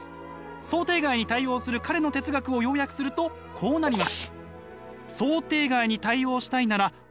想定外に対応する彼の哲学を要約するとこうなります。